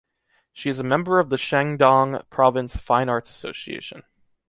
She is a member of the Shandong Province Fine Arts Association.